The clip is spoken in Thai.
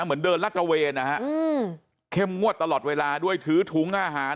เหมือนเดินรัชเวรนะครับเค็มมวดตลอดเวลาด้วยถือถุงอาหาร